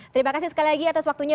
terima kasih sekali lagi atas waktunya